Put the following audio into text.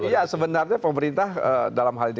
iya sebenarnya pemerintah dalam hal ini